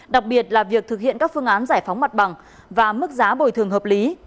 đặc biệt là việc thực hiện các phương án giải phóng mặt bằng và mức giá bồi thường hợp lý